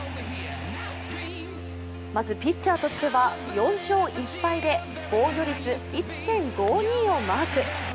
まずピッチャーとしては４勝１敗で防御率１．５２をマーク。